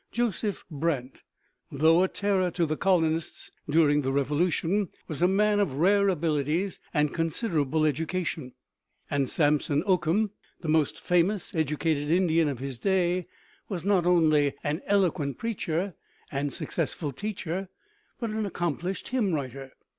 Joseph Brant, though a terror to the colonists during the Revolution, was a man of rare abilities and considerable education; and Samson Occum, the most famous educated Indian of his day, was not only an eloquent preacher and successful teacher but an accomplished hymn writer.